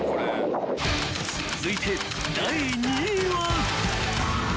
［続いて第２位は］